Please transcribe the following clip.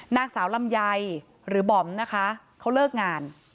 นางสาวลำไยหรือบอมนะคะเขาเลิกงาน